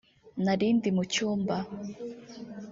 nari ndi mu cyumba